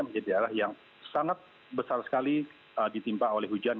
menjadi daerah yang sangat besar sekali ditimpa oleh hujan